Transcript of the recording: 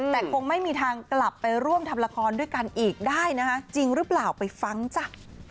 แต่คงไม่มีทางกลับไปร่วมทำละครด้วยกันอีกได้นะคะจริงหรือเปล่าไปฟังจ้ะ